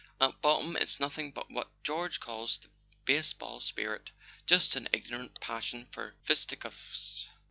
At bottom it's nothing but what George calls the baseball spirit: just an ignorant pas¬ sion for fisticuffs."